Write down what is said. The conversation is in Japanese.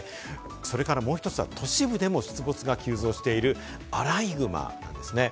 それからもう一つは都市部でも出没が急増しているアライグマなんですね。